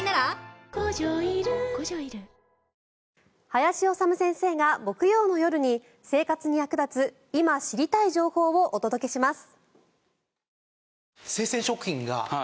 林修先生が木曜の夜に生活に役立つ、今知りたい情報をお届けします。